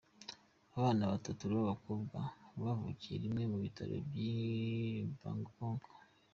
Abana babatu babakobwa bavukiye rimwe mu bitaro byi Bangkok.